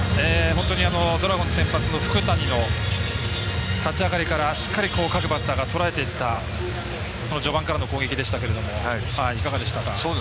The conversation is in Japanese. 本当にドラゴンズ先発の福谷の立ち上がりからしっかり、各バッターがとらえていったその序盤からの攻撃でしたがいかがでしたか。